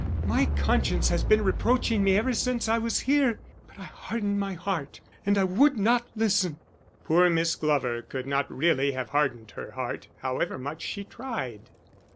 My conscience has been reproaching me ever since I was here, but I hardened my heart, and would not listen." Poor Miss Glover could not really have hardened her heart, however much she tried.